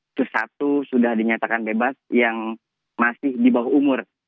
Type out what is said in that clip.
itu satu sudah dinyatakan bebas yang masih di bawah umur